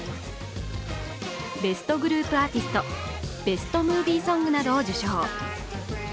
ベスト・グループアーティスト、ベスト・ムービー・ソングなどを受賞。